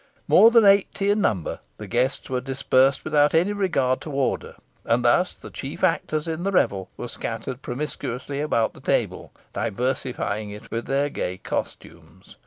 More than eighty in number, the guests were dispersed without any regard to order, and thus the chief actors in the revel were scattered promiscuously about the table, diversifying it with their gay costumes.